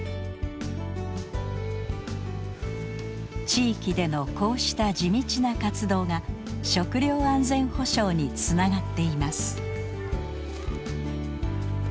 地域でのこうした地道な活動が食料安全保障につながっています。